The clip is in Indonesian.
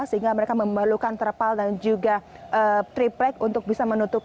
sehingga mereka memerlukan terpal dan juga triplek untuk bisa menutup